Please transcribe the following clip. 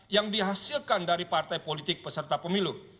yang dihasilkan dari partai politik peserta pemilu